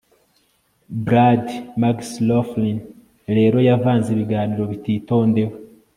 Brad McLaughlin rero yavanze ibiganiro bititondewe